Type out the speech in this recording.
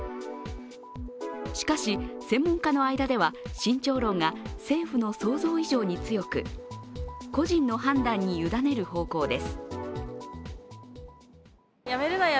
しかし専門家の間では慎重論が政府の想像以上に強く、個人の判断に委ねる方向です。